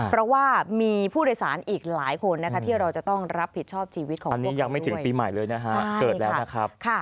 เพราะว่ามีผู้โดยสารอีกหลายคนที่เราจะต้องรับผิดชอบชีวิตของพวกเขาด้วย